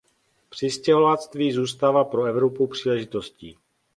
Přistěhovalectví zůstává pro Evropu příležitostí.